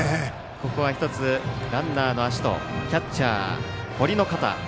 ここはランナーの足とキャッチャー、堀の肩。